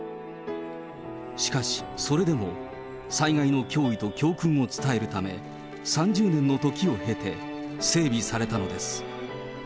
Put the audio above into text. しかし、それでも、災害の脅威と教訓を伝えるため、３０年の時を経て、整備されたのです。